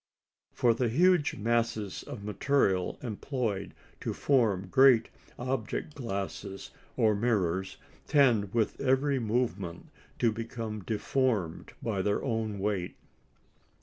For the huge masses of material employed to form great object glasses or mirrors tend with every movement to become deformed by their own weight.